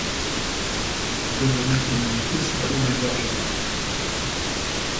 Döbeln est nommé aussitôt major-général.